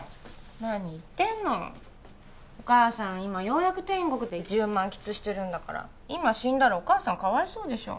何言ってんのお母さん今ようやく天国で自由満喫してるんだから今死んだらお母さんかわいそうでしょ